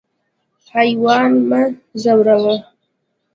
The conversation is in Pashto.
حیوان مه ځوروه.